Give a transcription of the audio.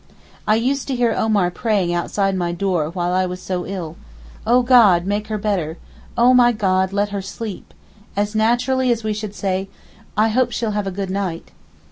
I used to hear Omar praying outside my door while I was so ill, 'O God, make her better. O my God, let her sleep,' as naturally as we should say, 'I hope she'll have a good night.